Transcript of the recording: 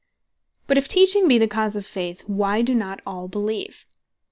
But if Teaching be the cause of Faith, why doe not all beleeve?